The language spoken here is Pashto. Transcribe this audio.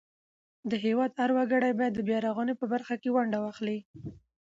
د هیواد هر وګړی باید د بیارغونې په برخه کې ونډه واخلي.